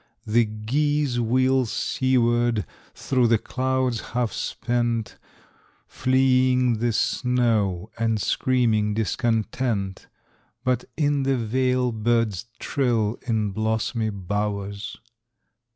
The geese wheel seaward through the clouds half spent, Fleeing the snow and screaming discontent, But in the vale birds trill in blossomy bowers.